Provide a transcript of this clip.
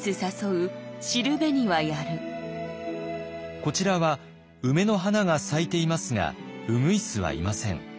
こちらは梅の花が咲いていますが鶯はいません。